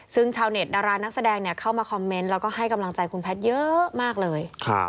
ซึ่งชาวเน็ตดารานักแสดงเนี่ยพูดให้กำลังใจองค์แพทย์เยอะมากเลย